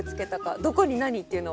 どこに何っていうのは。